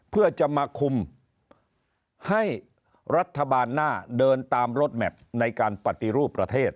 เพื่อจะมาคุมให้รัฐบาลหน้าเดินตามรถแมพในการปฏิรูปประเทศ